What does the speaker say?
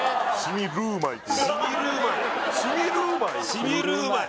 染みるまい！？